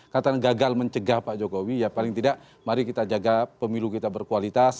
katanya gagal mencegah pak jokowi ya paling tidak mari kita jaga pemilu kita berkualitas